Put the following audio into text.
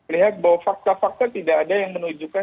lihat bahwa fakta fakta tidak ada yang menunjukkan